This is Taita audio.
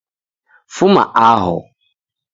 Fuma aho